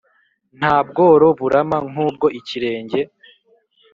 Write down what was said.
Nta bworo burama nkubwo ikirenge.